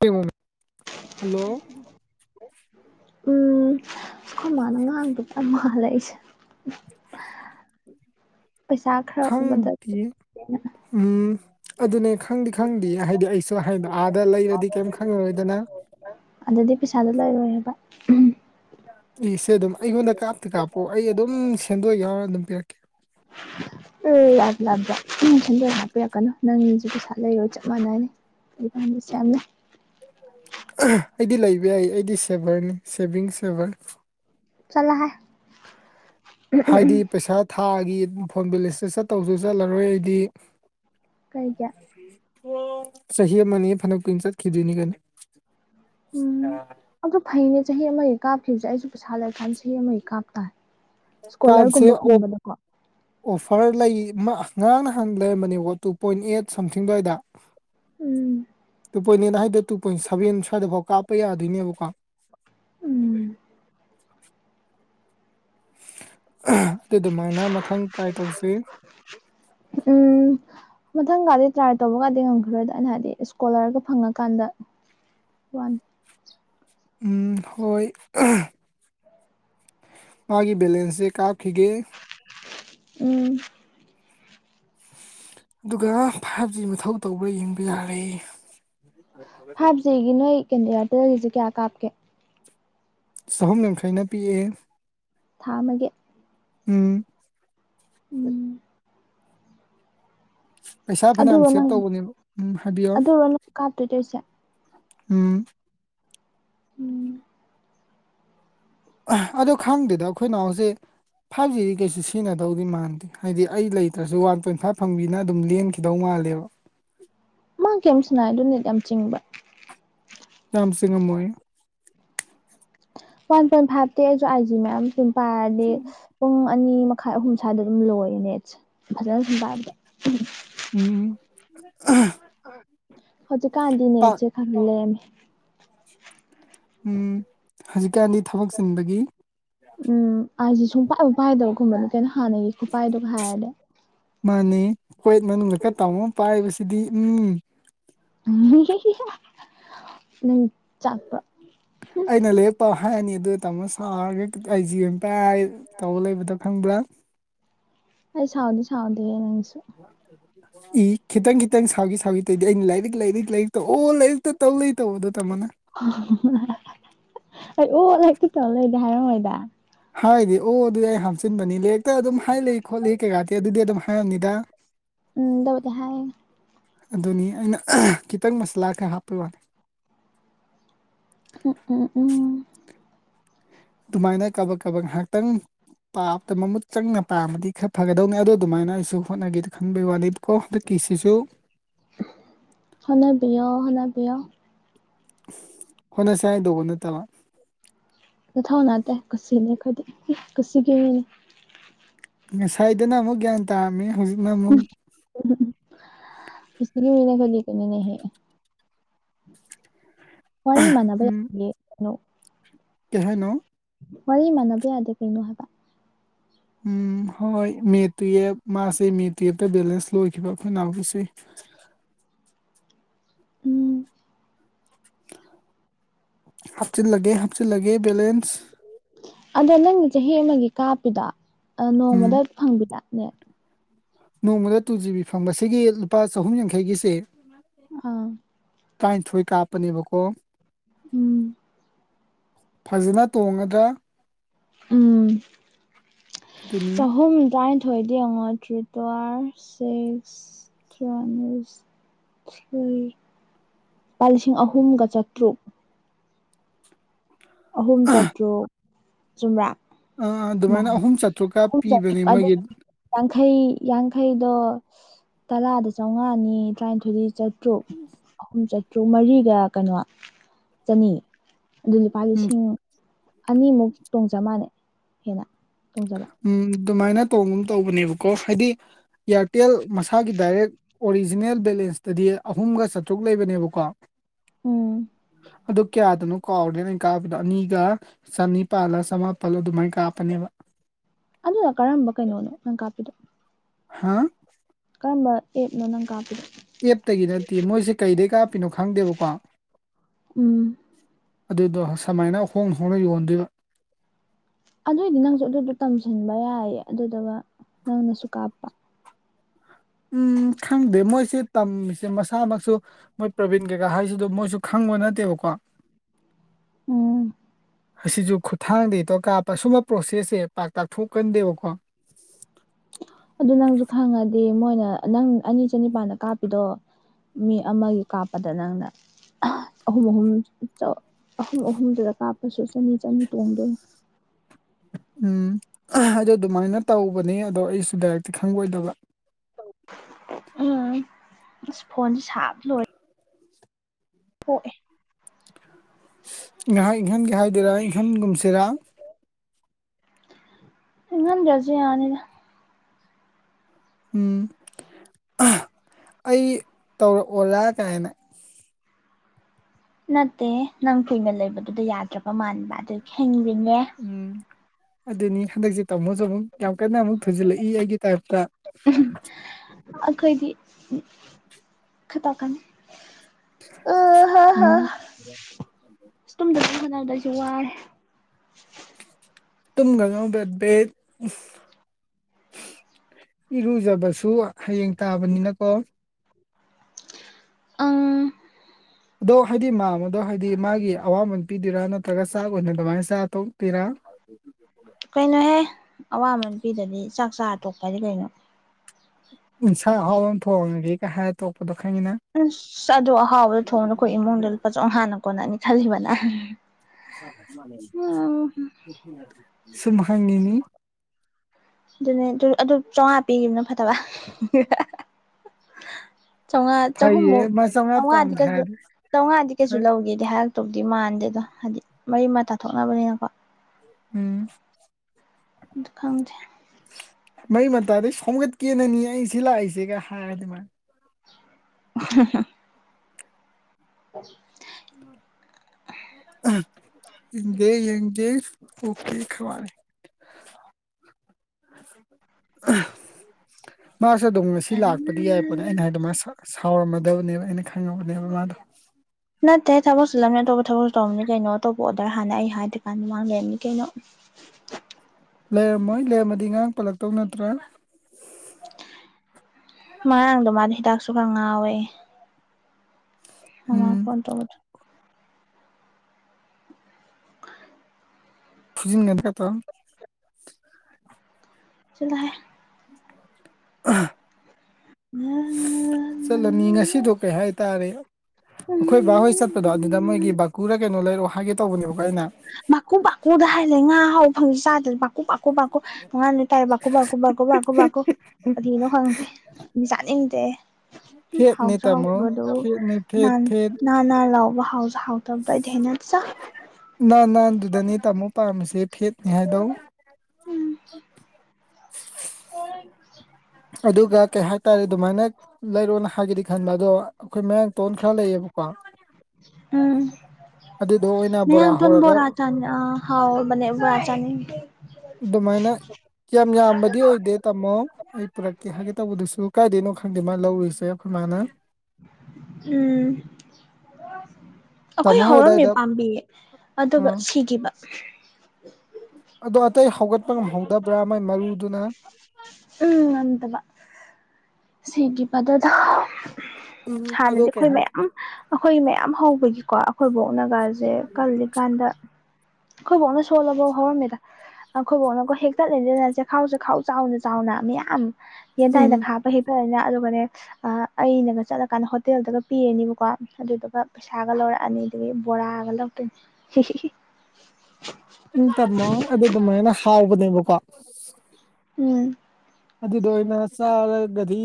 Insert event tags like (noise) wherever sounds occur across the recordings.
(unintelligible) Hello ꯎꯝ ꯑꯩꯈꯣꯢ ꯃꯅꯥ ꯉꯪꯗꯧ ꯌꯥꯝ ꯃꯥꯜꯂꯦ ꯑꯩꯁꯦ ꯄꯩꯁꯥ ꯈꯔ ꯎꯕꯗ ꯈꯪꯗꯦ ꯎꯝ ꯑꯗꯨꯅꯦ ꯈꯪꯗꯤ ꯈꯪꯗꯦ ꯍꯥꯏꯗꯤ ꯑꯩꯁꯨ ꯍꯥꯏꯕ ꯑꯥꯗ ꯂꯩꯔꯗꯤ ꯀꯩꯝ ꯈꯪꯉꯥꯔꯣꯏꯗꯅ ꯑꯗꯨꯗꯤ ꯄꯩꯁꯥꯗꯣ ꯂꯩꯔꯣꯏꯕ ꯑꯩꯁꯦ ꯑꯗꯨꯝ ꯑꯩꯉꯣꯟꯗ ꯀꯥꯞꯇꯤ ꯀꯥꯞꯄꯣ ꯑꯩ ꯑꯗꯨꯝ ꯁꯦꯟꯗꯣꯏ ꯌꯥꯎꯔꯒ ꯑꯗꯨꯝ ꯄꯤꯔꯛꯀꯦ ꯎ ꯂꯥꯛ (inaudible) ꯂꯥꯛꯂꯗ ꯍꯥꯄꯤ ꯌꯥ ꯀꯅꯣ ꯅꯪꯒꯤꯁꯨ ꯄꯩꯁꯥ ꯂꯩꯔꯣꯢ ꯆꯞ ꯃꯥꯟꯅꯩ ꯑꯗꯨꯀꯥꯟꯗ ꯁꯦꯝꯅꯦ ꯑꯩꯗꯤ ꯂꯩꯕ ꯌꯥꯏ ꯑꯩꯗꯤ ꯁꯦꯚꯔꯅꯤ ꯁꯦꯚꯤꯡ ꯁꯦꯚꯔ ꯆꯠꯂꯍꯩ ꯍꯥꯏꯗꯤ ꯄꯩꯁꯥ ꯊꯥꯒꯤ ꯐꯣꯟ ꯕꯦꯂꯦꯟꯁꯇ ꯆꯠꯇꯧꯁꯨ ꯆꯠꯂꯔꯣꯏ ꯑꯩꯗꯤ ꯑ ꯀꯩꯒꯤ ꯐ (inaudible) ꯆꯍꯤ ꯑꯃ ꯑꯃꯅꯤ ꯐꯅ ꯀꯨꯢꯅ ꯆꯠꯈꯤꯗꯨꯢꯅꯤ ꯀꯩꯅꯣ ꯎꯝ ꯑꯗꯨ ꯐꯩꯅꯦ ꯆꯍꯤ ꯑꯃꯒꯤ ꯀꯥꯞꯕꯤꯁꯦ ꯑꯩꯁꯨ ꯄꯩꯁꯥ ꯂꯩꯔꯀꯥꯟꯗ ꯆꯍꯤ ꯑꯃꯒꯤ ꯀꯥꯞꯇꯥꯥꯔꯦ ꯀꯥꯔꯠꯁꯦ ꯏꯁꯀꯣꯂꯔꯒꯨꯝꯕꯗ ꯒꯣ ꯑꯣꯐꯔ ꯂꯩ ꯉꯔꯥꯡ ꯅꯍꯥꯟꯅ ꯂꯩꯔꯝꯕꯅꯦꯕ one two point eight something ꯑꯗꯨꯋꯥꯏꯗ ꯎꯝ ꯇꯨ ꯄꯣꯏꯟꯠ ꯍꯥꯏꯗꯣ ꯇꯨ ꯄꯣꯏꯟ ꯁꯚꯦꯟ ꯁꯨꯋꯥꯏꯗꯐꯥꯎ ꯀꯥꯞꯄ ꯌꯥꯗꯣꯏꯅꯦꯕꯀꯣ ꯎꯝ (unintelligible) ꯑꯗꯨꯗꯨꯃꯥꯏꯅ ꯃꯊꯪ ꯇ꯭ꯔꯥꯏ ꯇꯧꯁꯤ ꯎꯝ ꯃꯊꯪꯀꯗꯤ ꯇ꯭ꯔꯥꯏ ꯇꯧꯕꯒꯥꯗꯤ ꯉꯝꯈꯤꯔꯣꯏꯗ ꯑꯩꯅ ꯍꯥꯏꯗꯤ ꯏꯁꯀꯣꯂꯔꯒ ꯐꯪꯉꯀꯥꯟꯗ ꯋꯥꯅꯤ ꯑꯝ ꯍꯣꯏ ꯃꯥꯒꯤ ꯕꯦꯂꯦꯟꯁꯁꯦ ꯀꯥꯞꯈꯤꯒꯦ ꯎꯝ ꯑꯗꯨꯒ ꯐꯥꯏꯚ ꯖꯤ ꯃꯊꯧ ꯇꯧꯕ꯭ꯔꯥ ꯌꯦꯡꯕ ꯌꯥꯔꯦ ꯐꯥꯏꯚ ꯖꯤꯒꯤ ꯅꯣꯏ ꯑꯦꯌꯥꯔꯇꯦꯟꯒꯤꯁꯦ ꯀꯌꯥ ꯀꯥꯞꯀꯦ ꯆꯍꯨꯝ ꯌꯥꯡꯈꯩꯩꯅ ꯄꯤꯛꯑꯦ ꯊꯥ ꯑꯃꯒꯤ ꯎꯝ ꯎꯝ ꯄꯩꯁꯥ ꯐꯅꯌꯥꯝ ꯑꯗꯨꯔꯣ ꯁꯦꯞ ꯅꯪ ꯇꯧꯕꯅꯦꯕ ꯎꯝ ꯍꯥꯏꯕꯤꯌꯣ ꯑꯗꯨꯔꯣ ꯅꯪ ꯀꯥꯞꯇꯣꯏꯗꯣꯏꯁꯦ ꯎꯝ ꯎꯝ ꯑꯗꯣ ꯈꯪꯗꯦꯗ ꯑꯩꯈꯣꯏ ꯅꯥꯎꯁꯦ ꯐꯥꯏꯚ ꯖꯤꯗꯤ ꯀꯩꯁꯨ ꯁꯤꯖꯤꯟꯅꯗꯧꯗꯤ ꯃꯥꯟꯗꯦ ꯍꯥꯏꯗꯤ ꯑꯩ ꯂꯩꯇ꯭ꯔꯁꯨ ꯋꯥꯟ ꯄꯣꯏꯟ ꯐꯥꯏꯚ ꯐꯪꯕꯤꯅ ꯑꯗꯨꯝ ꯂꯦꯟꯈꯤꯗꯧ ꯃꯥꯜꯂꯦꯕ ꯃꯥ ꯀꯩꯝ ꯁꯅ ꯑꯗꯨꯅꯦꯠ ꯌꯥꯝ ꯆꯤꯡꯕ ꯌꯥꯝ ꯆ ꯉꯝꯃꯣꯏ ꯋꯥꯟ ꯄꯣꯏꯟ ꯐꯥꯏꯚꯇ ꯑꯩꯁꯨ ꯑꯁꯤ ꯃꯝ ꯁꯝ ꯄꯥꯔꯗꯤ ꯄꯨꯡ ꯑꯅꯤ ꯃꯈꯥꯏ ꯑꯍꯨꯝ ꯁ꯭ꯋꯥꯏꯗ ꯑꯗꯨꯝ ꯂꯣꯏꯌꯦ ꯅꯦꯠꯁꯦ ꯐꯖꯅ ꯁꯨꯝ ꯄꯥꯏꯕꯗ ꯎꯝ ꯍꯧꯖꯤꯛꯀꯥꯟꯗꯤ ꯄꯥꯛ ꯅꯦꯠꯁꯦ ꯈꯪꯅ ꯂꯩ ꯎ ꯍꯧꯖꯤꯛꯀꯥꯟꯗꯤ ꯊꯕꯛ ꯆꯤꯟꯕꯒꯤ ꯎꯝ ꯑꯥꯏꯁꯦ ꯁꯨꯡ ꯄꯥꯏꯕꯨ ꯄꯥꯏꯗꯕꯒꯨꯝꯕꯅꯦ ꯀꯩꯅꯣ ꯍꯥꯟꯅꯒꯤ ꯈꯨꯠꯄꯥꯏꯗꯨꯒ ꯍꯥꯏꯔꯗꯤ ꯃꯥꯅꯦ ꯀꯣꯏꯠ ꯃꯅꯨꯡꯗꯀ ꯇꯥꯃꯣ ꯑꯃ ꯄꯥꯢꯕꯁꯤꯗꯤ ꯎꯝ ꯎꯝ ꯅꯪ ꯆꯛꯕ꯭ꯔꯣ ꯑꯩꯅ ꯂꯥꯢꯔꯤꯛ ꯄꯥꯎ ꯍꯥꯏꯔꯅꯤ ꯑꯗꯨ ꯇꯥꯃꯣ ꯁꯥꯎꯔꯒ ꯑꯩ ꯖꯤ ꯑꯣꯢꯅ ꯄꯥꯢꯔ ꯇꯧ ꯂꯩꯕꯗꯣ ꯈꯪꯕ꯭ꯔꯥ ꯑꯩ ꯁꯥꯎꯗꯤ ꯁꯥꯎꯗꯦꯗ ꯅꯪꯁꯨ ꯍ (inaudible) ꯏ ꯈꯤꯇꯪ ꯈꯤꯇꯪ ꯁꯥꯎꯈꯤ ꯁꯥꯎꯈꯤ ꯇꯧꯗꯤ ꯑꯩꯅ ꯂꯥꯏꯔꯤꯛ ꯂꯥꯏꯔꯤꯛ ꯂꯥꯏꯔꯤꯛꯇ ꯑꯣ ꯂꯥꯏꯔꯤꯛꯇ ꯇꯧ ꯂꯩ ꯇꯧꯕꯗꯣ ꯇꯥꯃꯣꯅ ꯑꯩ ꯑꯣ ꯂꯛꯇ ꯇꯧ ꯂꯩꯗꯤ ꯍꯥꯏꯔꯝꯑꯣꯏꯗ ꯍꯥꯏꯗꯤ ꯑꯣ ꯑꯗꯨꯗꯤ ꯑꯩ ꯍꯥꯞꯆꯤꯟꯕꯅꯤ ꯂꯦꯛ ꯑ ꯑꯗꯨꯝ ꯍꯥꯏ ꯂꯩ ꯈꯣꯠꯂꯤ ꯀꯩꯀꯥꯗꯤ ꯑꯗꯨꯗꯤ ꯑꯗꯨꯝ ꯍꯥꯏꯔꯝꯅꯤꯗ ꯎꯝ ꯇꯕꯨꯗꯤ ꯍꯥꯏ ꯑꯗꯨꯅꯤ ꯑꯩꯅ ꯈꯤꯇꯪ ꯃꯁꯥꯂꯥ ꯈꯔ ꯍꯥꯞꯄꯩ ꯋꯥꯅꯤ ꯎꯝ ꯎꯝ ꯎꯝ ꯑꯗꯨꯃꯥꯏꯅ ꯀꯕꯛ ꯀꯕ ꯉꯥꯏꯍꯥꯛꯇꯪ ꯄꯥꯞꯇ ꯃꯃꯨꯠ ꯆꯪꯅ ꯄꯥꯝꯕꯗꯤ ꯈꯔ ꯐꯒꯗꯧꯅꯤ ꯑꯗꯨꯗ ꯑꯗꯨꯃꯥꯏꯅ ꯑꯩꯁꯨ ꯍꯣꯠꯅꯒꯦꯗ ꯈꯟꯕꯒꯤ ꯋꯥꯅꯤ ꯈꯣ ꯍꯥꯟꯗꯥꯛ ꯀꯤꯁꯤꯁꯨ ꯍꯅꯥꯕꯤꯌꯣ ꯍꯅꯥꯕꯤꯌ ꯍꯣꯠꯅꯁ ꯍꯥꯏꯗꯧꯕ ꯅꯠꯇꯕ ꯅꯊꯧ ꯅꯅꯥꯠꯇꯦ ꯀꯨꯁꯤꯅꯦ ꯑꯩꯈꯣꯏꯗꯤ ꯀꯨꯁꯤꯒꯤꯅꯦ ꯉꯁꯥꯏꯗꯅ ꯑꯃꯨꯛ ꯒ꯭ꯌꯥꯟ ꯇꯥꯔꯝꯃꯤ ꯍꯧꯖꯤꯛꯅ ꯑꯃꯨꯛ ꯏꯆꯦ ꯃꯅꯦ ꯈꯜꯂꯤ ꯀꯅꯤꯅꯦꯍꯦ (unintelligible) ꯋꯥꯔꯤ ꯃꯥꯟꯅꯕ ꯂꯩꯒꯦ ꯍꯥꯏꯔꯛꯑ ꯀꯩꯍꯥꯏꯅꯣ ꯋꯥꯔꯤ ꯃꯥꯟꯅꯕ ꯌꯥꯗꯦ ꯀꯩꯅꯣ ꯍꯥꯏꯕ ꯎꯝ ꯍꯣꯏ ꯃꯦ ꯇꯨꯌꯦꯞ ꯃꯥꯁꯦ ꯃꯦ ꯇꯨꯌꯦꯞꯇ ꯕꯦꯂꯦꯟꯁ ꯂꯣꯏꯈꯤꯕ ꯑꯩꯈꯣꯏ ꯅꯥꯎꯁ ꯎꯝ ꯍꯥꯞꯆꯤꯜꯂꯒꯦ ꯍꯥꯞꯆꯤꯜꯂꯒꯦ ꯕꯦꯂꯦꯟꯁ ꯑꯗꯣ ꯅꯪꯒꯤ ꯆꯍꯤ ꯑꯃꯒꯤ ꯀꯥꯞꯄꯤꯗꯣ ꯅꯣꯡꯃꯗ ꯎꯝ ꯐꯪꯕꯤꯗ ꯅꯦꯠ ꯅꯣꯡꯃꯗ ꯇꯨ ꯖꯤꯕꯤ ꯐꯪꯕꯁꯤꯒꯤ ꯂꯨꯄꯥ ꯆꯍꯨꯝ ꯌꯥꯡꯈꯩꯒꯤꯁꯦ ꯑꯥ ꯇꯔꯥꯅꯤꯊꯣꯏ ꯀꯥꯞꯄꯅꯦꯕꯀꯣ ꯎꯝ ꯐꯖꯅ ꯇꯣꯡꯉꯗ꯭ꯔ ꯎꯝ ꯑꯗꯨꯅꯤ ꯆꯍꯣꯝ ꯇꯔꯥꯅꯤꯊꫭꯏ ꯊꯣꯏꯗꯤ ꯌꯦꯡꯉꯣ ꯊ꯭ꯔꯤ ꯇꯨꯋꯥꯔ ꯁꯤꯛꯁ ꯊ꯭ꯔꯤ ꯍꯟꯗ꯭ꯔꯤꯛꯁ ꯂꯨꯄꯥ ꯂꯤꯁꯤꯡ ꯑꯍꯨꯝꯒ ꯆꯥꯇ꯭ꯔꯨꯛ ꯑꯍꯨꯝ ꯆꯥꯇ꯭ꯔꯨꯛ ꯆꯨꯝꯕꯔꯥ ꯑꯥ ꯑꯗꯨꯃꯥꯏꯅ ꯃꯥꯅꯤ ꯑꯍꯨꯝ ꯆꯥꯇ꯭ꯔꯨꯛꯀ ꯑꯍꯨꯝ ꯄꯤꯕꯅꯦ ꯆꯥꯇ꯭ꯔꯨꯛ ꯃꯣꯏꯒꯤ ꯌꯥꯡꯈꯩ ꯌꯥꯡꯈꯩꯗꯣ ꯇꯔꯥꯗ ꯆꯥꯝꯃꯉꯥꯅꯤ ꯇꯔꯥꯅꯤꯊꯣꯏ ꯆꯥꯇ꯭ꯔꯨꯛ ꯑꯍꯨꯝ ꯆꯥꯇ꯭ꯔꯨꯛ ꯃꯔꯤꯒ ꯀꯩꯅꯣ ꯆꯅꯤ ꯑꯗꯨ ꯂꯨꯄꯥ ꯎꯝ ꯂꯤꯁꯤꯡ ꯑꯅꯤꯃꯨꯛ ꯇꯣꯡꯖ ꯃꯥꯟꯩ ꯍꯦꯟꯅ ꯇꯣꯡꯖꯕ ꯎꯝ ꯑꯗꯨꯃꯥꯏꯅ ꯇꯣꯡꯒꯨꯝ ꯇꯧꯕꯅꯦꯕꯀꯣ ꯍꯥꯏꯗꯤ ꯏꯌꯥꯔꯇꯦꯜ ꯃꯁꯥꯒꯤ ꯗꯥꯏꯔꯦꯛ ꯑꯣꯔꯤꯖꯤꯅꯦꯜ ꯕꯦꯂꯦꯟꯁꯇꯗꯤ ꯑꯍꯨꯝꯒ ꯆꯥꯇ꯭ꯔꯨꯛ ꯂꯩꯕꯅꯦꯕꯀꯣ ꯎꯝ ꯑꯗꯨ ꯀꯌꯥꯗꯅꯣ ꯀꯥꯎꯔ‌ꯦꯅ‌ꯦ ꯑꯩꯅ ꯀꯥꯞꯕꯗꯣ ꯑꯅꯤꯒ ꯆꯅꯤꯄꯥꯜꯂ ꯆꯃꯥꯄꯜ ꯑꯗꯨꯃꯥꯏꯅ ꯀꯥꯞꯄꯅꯦꯕ ꯑꯗꯨꯅ ꯀꯔꯝꯕ ꯀꯩꯅꯣꯅꯣ ꯅꯪ ꯀꯥꯞꯄꯤꯗꯣ ꯍꯥꯥ ꯀꯔꯝꯕ ꯑꯦꯞꯅꯣ ꯅꯪ ꯀꯥꯞꯄꯤꯗ‌ꯣ ꯑꯦꯞꯇꯒꯤ ꯅꯠꯇꯦ ꯃꯣꯏꯁꯦ ꯀꯩꯗꯒꯤ ꯀꯥꯞꯄꯤꯅꯣ ꯈꯪꯗꯦꯕꯀꯣ ꯎꯝ ꯑꯗꯨꯗꯣ ꯁꯃꯥꯏꯅ ꯍꯣꯡꯅ ꯍꯣꯡꯅ ꯌꯣꯟꯗꯣꯏꯕ ꯑꯗꯨꯏꯗꯤ ꯅꯪꯁꯨ ꯑꯗꯨꯗꯣ ꯇꯝꯁꯤꯟꯕ ꯌꯥꯏꯌꯦ ꯑꯗꯨꯗꯨꯒ ꯅꯪꯅꯁꯨ ꯀꯥꯞꯄ ꯎꯝ ꯈꯪꯗꯦ ꯃꯣꯏꯁꯦ ꯇꯝꯃꯤꯁꯦ ꯃꯁꯥꯃꯛꯁꯨ ꯃꯣꯏ ꯄ꯭ꯔꯕꯤꯟ ꯀꯩꯀꯥ ꯍꯥꯏꯁꯤꯗ ꯃꯣꯏꯁꯨ ꯈꯪꯕ ꯅꯠꯇꯦꯕꯀꯣ ꯎꯝ ꯑꯁꯤꯁꯨ ꯈꯨꯠꯊꯥꯡꯗꯒꯤ ꯗꯔꯀꯥꯞꯄ ꯁꯨꯝꯕ ꯄ꯭ꯔꯣꯁꯦꯁꯁꯦ ꯄꯥꯛ ꯇꯥꯛꯊꯣꯛꯀꯟꯗꯦꯕꯀꯣ ꯑꯗꯨ ꯅꯪꯁꯨ ꯈꯪꯉꯗꯤ ꯃꯣꯏꯅ ꯅꯪ ꯑꯅꯤ ꯆꯅꯤꯄꯥꯥꯟꯗ ꯀꯥꯞꯄꯤꯗꯣ ꯃꯤ ꯑꯃꯒꯤ ꯀꯥꯞꯄꯗ ꯅꯪꯅ ꯑꯍꯨꯝ ꯑꯍꯨꯝ ꯑꯍꯨꯝ ꯑꯍꯨꯝꯗꯨꯗ ꯀꯥꯞꯄꯁꯨ ꯆꯅꯤ ꯆꯅꯤ ꯇꯣꯡꯗꯣꯏꯅꯤ ꯎꯝ ꯑꯗꯨ ꯑꯗꯨꯃꯥꯏꯅ ꯇꯧꯕꯅꯦ ꯑꯗꯣ ꯑꯩꯁꯨ ꯗꯥꯏꯔꯦꯛꯇꯤ ꯈꯪꯕ ꯑꯣꯏꯗꯕ ꯎꯝ ꯑꯁ ꯐꯣꯟꯁꯦ ꯁꯥꯕꯗ ꯂꯣꯏ ꯐ‌ꯣꯛꯑꯦ ꯉꯥꯏꯍꯥꯛ ꯏꯪꯈꯟꯒ‌ꯦ ꯍꯥꯏꯗꯨꯏꯔꯥ ꯏꯪꯍꯟꯒꯨꯝꯁ‌ꯦꯔꯥ ꯏꯪꯍꯟꯗ꯭ꯔꯁꯨ ꯌꯥꯅꯤꯗ ꯎꯝ ꯑꯩ ꯇꯧꯔꯛꯑꯣꯔꯥ ꯀꯥꯏꯅ ꯅꯠꯇꯦꯍ‌ꯦ ꯅꯪ ꯀꯨꯏꯅ ꯂꯩꯕꯗꯨꯗ ꯌꯥꯗ꯭ꯔꯕ ꯃꯥꯟꯕ ꯑꯗꯨꯒꯤ ꯍꯪꯕꯅꯦ ꯎꯝ ꯑꯗꯨꯅꯤ ꯍꯟꯗꯛꯁꯦ ꯇꯥꯃꯣꯁꯨ ꯑꯃꯨꯛ ꯌꯥꯝ ꯀꯟꯅ ꯑꯃꯨꯛ ꯊꯨꯖꯤꯜꯂꯛꯏ ꯑꯩꯒꯤ ꯇꯥꯏꯞꯇ ꯑꯩꯈꯣꯏꯗꯤ ꯈꯇꯣꯛꯀꯅꯤ (unintelligible) ꯑꯁ ꯎꯝ ꯇꯨꯝꯗꯅꯕ ꯍ‌ꯣꯠꯅꯕꯗ ꯑꯩꯁ‌ꯦ ꯋꯥꯔ‌ꯦ ꯇꯨꯝꯒꯅ‌ꯣ ‌ꯕ‌ꯦꯠꯕꯤꯠ ꯏꯔꯨꯖꯕꯁꯨ ꯍꯌꯦꯡ ꯇꯥꯕꯅꯤꯅꯀꯣ ꯑꯪ ꯑꯗꯣ ꯍꯥꯏꯗꯤ ꯃꯥꯝꯃꯗꯣ ꯍꯥꯏꯗꯤ ꯃꯥꯒꯤ ꯑꯋꯥꯃꯟ ꯄꯤꯗꯣꯏꯔꯥ ꯅꯠꯇ꯭ꯔꯒ ꯆꯥꯛ ꯑꯣꯏꯅ ꯑꯗꯨꯃꯥꯏꯅ ꯆꯥ ꯇꯣꯛꯇꯨꯏꯔꯥ ꯀꯩꯅꯣꯍꯦ ꯑꯋꯥꯃꯟ ꯄꯤꯗ꯭ꯔꯗꯤ ꯆꯥꯛ ꯆꯥꯔ ꯇꯣꯛꯄ ꯍꯥꯏꯗꯤ ꯀꯩꯅꯣ ꯏꯟꯁꯥꯡ ꯑꯍꯥꯎꯕ ꯑꯃ ꯊꯣꯡꯉꯒ‌ꯦ ꯀꯥꯏ ꯍꯥꯏ ꯇꯣꯛꯄꯗꯣ ꯈꯪꯉꯤꯅ ꯑꯁ ꯑꯗꯣ ꯑꯍꯥꯎꯕꯗꯣ ꯊꯣꯡꯅ ꯑꯩꯈꯣꯏ ꯏꯃꯨꯡꯗ ꯂꯨꯄꯥ ꯆꯣꯡꯉꯥꯅ ꯀꯣꯟꯅꯅꯤ ꯈꯜꯂꯤꯕ ꯅ ꯁꯨꯝ ꯍꯪꯉꯤꯅꯤ ꯑꯗꯨꯅꯦ ꯑꯗꯨ ꯑꯗꯨ ꯆꯧꯉꯥ ꯄꯤꯈꯤꯝꯅ ꯐꯠꯇꯕ꯭ꯔ (unintelligible) (inaudible) ꯆꯧꯉꯥ ꯐꯩꯌꯦ ꯆꯍꯨꯝꯃꯨꯛ ꯃꯥ ꯆꯥꯝꯃꯉꯥ ꯆꯧꯉꯥꯗꯤ ꯄꯥꯝꯃꯦ ꯀꯩꯁꯨ ꯍꯥꯏꯔꯗꯤ ꯆꯧꯉꯥꯗꯤ ꯀꯩꯁꯨ ꯂꯧꯒꯦꯗꯤ ꯍꯥꯏꯔꯛ ꯇꯧꯗꯤ ꯃꯥꯟꯗꯦꯗ ꯍꯥꯏꯗꯤ ꯃꯔꯤ ꯃꯇꯥ ꯊꯣꯛꯅꯕꯅꯤꯅꯀꯣ ꯎꯝ ꯑꯗꯨ ꯈꯪꯗ‌ꯦ ꯃꯩ ꯃꯇꯥꯗꯩ ꯁꯣꯝꯒꯠꯀꯦꯅꯅꯤ ꯑꯩ ꯁꯤ ꯂꯥꯛꯏꯁꯦꯒ ꯍꯥꯏꯔ ꯑꯗꯨꯃꯥꯏꯅ (unintelligible) (inaudible) (unintelligible) ꯌꯦꯡꯗ‌ꯦ ꯌꯦꯡꯗ‌ꯦ ‌‌ꯑꯣꯀꯦ ꯈ꯭ꯋꯥꯏ (unintelligible) ꯃꯥꯁꯨ ꯑꯗꯨꯝ ꯉꯁꯤ ꯂꯥꯛꯄꯗꯤ ꯌꯥꯏꯄ‌ꯣꯠꯅꯦ ꯑꯩꯅ ꯍꯥꯏꯗꯣ ꯃꯥ ꯁꯥꯎꯔꯝꯃꯗꯕꯅꯦꯕ ꯑꯩꯅ ꯈꯪꯉꯕꯅꯦꯕ ꯃꯥꯗꯣ ꯅꯠꯇꯦ ꯊꯕꯛ ꯆꯤꯜꯂꯝꯅꯤ ꯑꯇꯣꯞꯄ ꯊꯕꯛꯁꯨ ꯇꯧꯔꯝꯅꯤ ꯀꯩꯅꯣ ꯑꯇꯣꯞꯄ ꯑꯣꯔꯗꯔ ꯍꯥꯟꯅ ꯑꯩ ꯍꯥꯏꯗ꯭ꯔꯤꯀꯥꯟꯗ ꯃꯃꯥꯡ ꯂꯩꯔꯝꯅꯤ ꯀꯩꯅꯣ ꯂꯩꯔꯝꯃꯣꯏ ꯂꯩꯔꯝꯃꯗꯤ ꯉꯔꯥꯡ ꯄꯜꯂꯛꯇꯧ ꯅꯠꯇ꯭ꯔꯥ ꯃꯔꯥꯡꯗꯣ ꯃꯥꯗꯤ ꯍꯤꯗꯥꯛꯁꯨ ꯈꯔ ꯉꯥꯎꯋꯦ ꯃꯃꯥ ꯎꯝ ꯐꯣꯟ ꯇꯧꯕꯗꯨ ꯐꯨꯖꯤꯟꯒꯟꯀꯗꯣ (unintelligible) ꯑ (unintelligible) ꯆꯠꯂꯅꯤ ꯉꯁꯤꯗꯣ ꯀꯩ ꯍꯥꯏꯇꯥꯔꯦ ꯑꯈꯣꯏ ꯕꯥꯍꯣꯏ ꯆꯠ ꯗꯣ ꯑꯗꯨꯗ ꯃꯣꯏꯒꯤ ꯕꯥꯀꯨꯔ ꯀꯩꯅꯣ ꯂꯩꯔꯛꯑꯣ ꯍꯥꯏꯒꯦ ꯇꯧꯕꯅꯦꯕꯀꯣ ꯑꯩꯅ ꯃꯥꯀꯨ ꯕꯥꯀꯨꯗ ꯍꯥꯏ ꯂꯩ ꯉꯥ ꯑꯍꯥꯎꯕ ꯐꯪꯏ ꯆꯥꯗ꯭ꯔꯅ ꯕꯥꯀꯨ ꯕꯥꯀꯨ ꯀꯨꯕꯥꯀꯨ ꯅ‌ꯣꯡꯉꯥꯟ ꯅꯨꯃꯤꯠ ꯇꯥꯏꯐꯥꯎ ꯀꯨꯕꯥꯛ ꯀꯨꯕꯥꯛ ꯀꯨꯕꯥꯛ ꯀꯨꯕꯥꯛ ꯀꯨꯕꯥꯛꯀꯨ ꯀꯔꯤꯅꯣ ꯈꯪꯗꯦ ꯃꯤ ꯆꯥꯅꯤꯡꯗꯦ ꯍꯨꯝ ꯐꯦꯠꯅꯦ ꯍꯥꯎꯁꯨ ꯇꯥꯃꯣ ꯍꯥꯎꯇꯕꯗꯨꯕꯨ ꯐꯦꯠꯅꯦ ꯐꯦꯠ ꯅꯥꯟ ꯐꯦꯠ ꯅꯥꯟ ꯅꯥꯟ ꯂꯥꯎꯕ ꯍꯥꯎꯖꯨ ꯍꯥꯎꯇꯗꯕ‌ꯣ ꯑꯩꯗꯤ ꯍꯩꯅꯗ‌ꯦꯆꯥ ꯅꯥꯟ ꯅꯥꯟ ꯗꯨꯗꯅꯤ ꯇꯥꯃꯣ ꯄꯥꯝꯃꯤꯁꯦ ꯐꯦꯠꯅꯤ ꯍꯥꯏꯗꯧ ꯎꯝ ꯑꯗꯨꯒ ꯀꯩ ꯍꯥꯏꯇꯥꯔꯦ ꯑꯗꯨꯃꯥꯏꯅ ꯂꯩꯔꯣꯅ ꯍꯥꯏꯒꯗꯤ ꯈꯟꯕ ꯑꯗꯣ ꯑꯩꯈꯣꯏ ꯃꯌꯥꯡ ꯇꯣꯟ ꯈꯔ ꯂꯩꯌꯦꯕꯀꯣ ꯎꯝ ꯑꯗꯨꯗꯣ ꯑꯣꯏꯅ ꯕꯣꯔꯥ ꯃꯌꯥꯡꯇꯣꯟ ꯍꯧꯔꯒ ꯕꯣꯔꯥ ꯆꯥꯅꯤ ꯑ ꯍꯥꯎ ꯕꯅꯦ ꯕꯣꯔꯥ ꯆꯥꯅꯤꯡꯉꯤ꯫ ꯑꯗꯨꯃꯥꯏꯅ ꯌꯥꯝ ꯌꯥꯝꯕꯗꯤ ꯑꯣꯏꯗꯦ ꯇꯥꯃꯣ꯫ ꯑꯩ ꯄꯨꯔꯛꯀꯦ ꯍꯥꯏꯒꯦ ꯇꯧꯕꯗꯨꯁꯨ ꯀꯥꯏꯗꯣꯏꯅꯣ ꯈꯪꯗꯦ ꯃꯥ ꯂꯧꯔꯨꯏꯁꯦ ꯑꯈꯣꯏ ꯃꯥꯅ ꯎꯝ ꯇꯥꯃꯣ ꯑꯈꯣꯏ ꯍꯣꯏ ꯍꯧꯔꯝꯃꯦ ꯑꯗꯥꯏꯗ ꯄꯥꯝꯕꯤ ꯑꯗꯨꯒ ꯑꯥ ꯁꯤꯒꯤꯕ꯫ ꯑꯗꯣ ꯑꯇꯩ ꯍꯧꯒꯠꯄ ꯉꯝꯍꯧꯗꯕ꯭ꯔꯥ ꯃꯥꯏ ꯃꯔꯨꯗꯨꯅ? ꯎ ꯉꯝꯗꯕ ꯁꯤꯒꯤꯕ ꯗꯨꯗꯣ ꯎꯝ ꯑꯗꯣ ꯍꯥꯟꯅꯗꯤ ꯀꯩ ꯑꯈꯣꯏ ꯍꯥꯏ ꯃꯌꯥꯝ ꯑꯈꯣꯏ ꯃꯌꯥꯝ ꯍꯧꯕꯒꯤꯀꯣ ꯑꯈꯣꯏꯕꯣꯛ ꯅꯥꯒꯥꯖꯦ ꯀꯜꯂꯤꯀꯥꯟꯗ ꯑꯩꯈꯣꯏꯕꯣꯛꯅ ꯁꯣꯜꯂꯐꯥꯎ ꯍꯧꯔꯝꯃꯦꯗ ꯑꯩꯈꯣꯏꯕꯣꯛꯅꯀꯣ ꯍꯦꯛꯇꯠ ꯂꯩꯗꯅ ꯆꯦꯈꯥꯎ ꯆꯦꯈꯥꯎ ꯆꯥꯎꯅ ꯆꯥꯎꯅ ꯃꯌꯥꯝ ꯌꯦꯟꯗꯥꯏꯗ ꯎꯝ ꯍꯥꯥꯞꯄ (unintelligible) ꯑꯗꯨꯒꯅꯦ ꯑꯩꯅꯒ ꯆꯠꯂꯀꯥꯟꯗ ꯍꯣꯇꯦꯜꯗꯒ ꯄꯤꯔꯅꯦꯕꯀꯣ ꯑꯗꯨꯗꯨꯒ ꯄꯩꯁꯥꯒ ꯂꯧꯔꯛꯑꯅꯤ ꯑꯗꯨꯗꯒꯤ ꯕꯣꯔꯥꯒ ꯂꯧꯔꯛꯇꯣꯏꯅꯤ꯫ ꯇꯝ ꯑꯗꯨ ꯑꯗꯨꯃꯥꯏꯅ ꯍꯥꯎꯕꯅꯦꯕꯀꯣ ꯎꯝ ꯑꯗꯨꯗ ꯑꯣꯏꯅ ꯆꯥꯔꯒꯗꯤ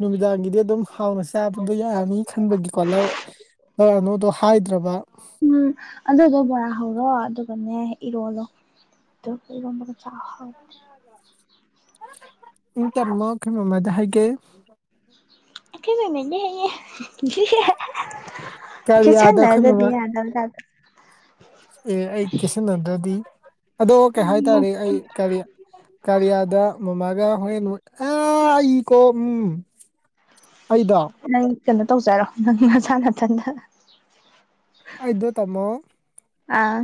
ꯅꯨꯃꯤꯗꯥꯡꯒꯤꯗꯤ ꯑꯗꯨꯝ ꯍꯥꯎꯅ ꯆꯥꯕꯗꯣ ꯌꯥꯔꯅꯤ ꯈꯟꯕꯒꯤꯀꯣ ꯂꯧꯔꯛꯑꯅꯨꯗꯣ ꯍꯥꯏꯗ꯭ꯔꯕ꯫ ꯎꯝ ꯑꯗꯨꯗꯣ ꯕꯣꯔꯥ ꯍꯧꯔꯣ ꯑꯗꯨꯒꯅꯦ ꯏꯔꯣꯜꯂꯣ꯫ ꯑꯗꯨ ꯏꯔꯣꯝꯕꯗꯨ ꯆꯥꯎ ꯍꯥꯎꯕꯅꯤ꯫ (unintelligible) ꯍꯥꯏꯒꯦ (unintelligible) ꯀꯔꯤꯌꯥꯗ ꯑꯩꯈꯣꯏ ꯀꯦꯁꯟꯅꯗꯔ꯭ꯗꯤ ꯃꯃꯥ ꯌꯗꯕꯩ ꯇꯥꯏꯕꯇ꯫ ꯑꯦ ꯑꯩ ꯀꯦꯁꯟꯗ꯭ꯔꯗꯤ ꯑꯗꯣ ꯀꯩ ꯍꯥꯏꯇꯥꯔꯦ ꯑꯩ ꯀꯔꯤ ꯀꯥꯔꯤꯌꯥꯗ ꯃꯃꯥꯒ ꯍꯣꯔꯦꯟ ꯑ ꯑꯩꯀꯣ ꯎꯝ ꯑꯩꯗ ꯅꯪ ꯀꯩꯅꯣ ꯇꯧꯖꯔꯣ ꯅꯪ ꯅꯁꯥ ꯅꯥꯊꯟꯗ ꯑꯩꯗꯣ ꯇꯃꯣ ꯑꯥ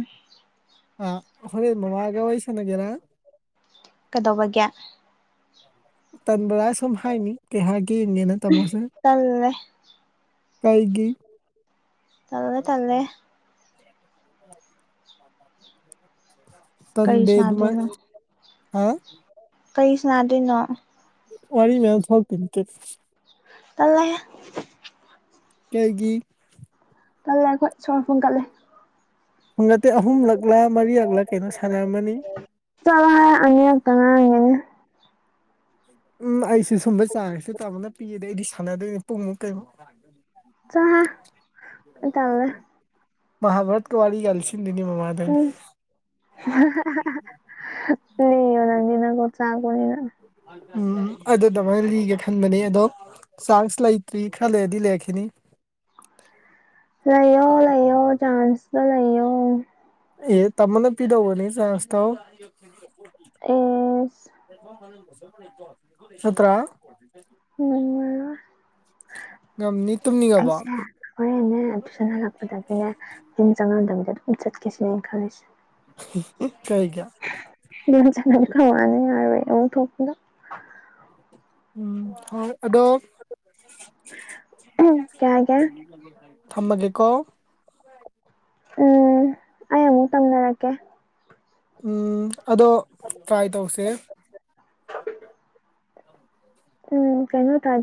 ꯑ ꯑꯈꯣꯏ ꯃꯃꯥꯒ ꯋꯥꯔꯤ ꯁꯥꯅꯒꯦꯔꯥ? ꯀꯩꯗꯧꯕꯒꯤ? ꯇꯟꯕꯗ ꯁꯨꯝ ꯍꯥꯏꯅꯤ ꯀꯩꯍꯥꯏꯔꯛꯀꯦ ꯌꯦꯡꯒꯦꯅ ꯇꯝꯃꯣꯁꯦ꯫ ꯇꯜꯂꯦ ꯀꯩꯒꯤ? ꯇꯜꯂꯦ - ꯇꯜꯂꯦ (unintelligible) ꯀꯔꯤ ꯇꯟꯗꯦ ꯗꯨꯃꯥꯢ ꯁꯥꯟꯅꯗꯣꯏꯅꯣ ꯍꯥ ꯀꯔꯤ ꯁꯥꯅꯗꯣꯏꯅꯣ ꯋꯥꯔꯤ (unintelligible) ꯇꯜꯂꯦ ꯀꯩꯒꯤ ꯀꯜꯂꯦ ꯑꯩꯈꯣꯏ ꯁꯣꯔ ꯐꯨꯝ ꯀꯠꯂꯦ ꯍꯨꯡ ꯅꯠꯇꯦ ꯑꯍꯨꯝꯂꯛꯂꯥ ꯃꯔꯤꯔꯛꯂꯥ ꯀꯩꯅꯣ ꯁꯥꯟꯅꯔꯝꯃꯅꯤ ꯆꯠꯂꯣꯍꯦ ꯑꯅꯤꯔꯛꯇꯪ ꯉꯥꯢꯔꯝꯒꯤꯅꯤ ꯎꯝ ꯑꯩꯁꯨ ꯁꯨꯝꯕ ꯆꯥꯟꯁꯨ ꯇꯥꯃꯣꯅ ꯄꯤꯔꯗꯤ ꯑꯩꯗꯤ ꯁꯥꯟꯅꯗꯣꯏꯅꯦ ꯄꯨꯡꯃꯨꯛ ꯀꯩꯃꯨꯛ꯫ ꯆꯠꯂꯣꯍꯦ ꯑꯩ ꯇꯜꯂꯦ ꯃꯍꯥꯛ ꯚꯥꯔꯠꯀ ꯋꯥꯔꯤꯒ ꯂꯤꯁꯤꯟꯗꯣꯏꯅꯦꯕꯥ ꯃꯗꯤ꯫ (unintelligible) ꯂꯤꯌꯣ ꯅꯪꯗꯤ ꯅꯀꯣꯛ ꯆꯥꯛꯄꯅꯤꯅꯥ꯫ ꯎꯝ ꯑꯗꯨꯗꯃꯥꯏꯅ ꯂꯤꯒꯦ ꯈꯟꯕꯅꯤ ꯑꯗꯣ ꯆꯥꯟꯁ ꯂꯩꯇ꯭ꯔꯤ ꯈꯔ ꯂꯩꯔꯗꯤ ꯂꯩꯔꯛꯈꯤꯅꯤ꯫ ꯂꯩꯌꯣ - ꯂꯩꯌꯣ ꯆꯥꯟꯁꯨ ꯗ ꯂꯩꯌꯣ꯫ ꯑꯦ ꯇꯃꯣꯅ ꯄꯤꯗꯧꯕꯅꯤ ꯆꯥꯟꯁ ꯇꯣ ꯫ ꯑꯦ (unintelligible) (unintelligible) ꯉꯝꯅꯤ ꯇꯨꯝꯅꯤꯡꯉꯕꯣ ꯍꯣꯏꯦꯅꯦ ꯇꯨꯏꯁꯟ ꯍꯜꯂꯛꯄꯗꯒꯤꯅꯦ ꯅꯪ ꯆꯪꯉꯝꯗꯕꯤꯗ ꯑꯗꯨꯝ ꯆꯠꯀꯦꯁꯤꯅꯦꯅ ꯈꯜꯂꯤꯁꯦ (unintelligible) (unintelligible) ꯎꯝ ꯍꯣꯢ ꯑꯗꯣ ꯀꯩ ꯍꯥꯏꯒꯦ ꯊꯝꯃꯒꯦꯀꯣ ꯎꯝ ꯑꯩ ꯑꯃꯨꯛ ꯇꯧꯅꯔꯛꯀꯦ ꯎꯝ ꯑꯗꯣ ꯇ꯭ꯔꯥꯏ ꯇꯧꯁꯦ ꯎꯝ ꯀꯩꯅꯣ ꯇꯥꯏ